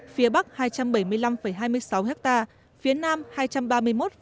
phía bắc hai trăm bảy mươi năm hai mươi sáu ha phía nam hai trăm ba mươi một bảy mươi bảy ha